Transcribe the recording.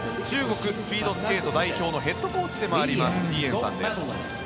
中国、スピードスケート代表のヘッドコーチでもありますリ・エンさんです。